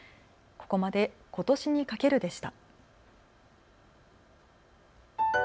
ここまで、ことしにかけるでした。